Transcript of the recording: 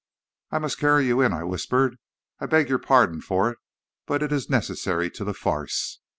"'I must carry you in,' I whispered. 'I beg your pardon for it, but it is necessary to the farce.'